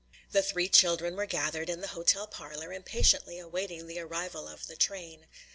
The three children were gathered in the hotel parlor, impatiently awaiting the arrival of the train.